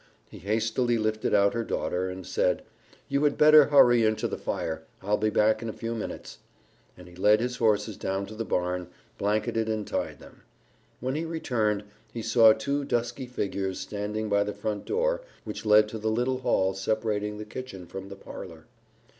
He hastily lifted out her daughter, and said, "You had getter hurry in to the fire. I'll be back in a few minutes," and he led his horses down to the barn, blanketed and tied them. When he returned, he saw two dusky figures standing by the front door which led to the little hall separating the kitchen from the parlor.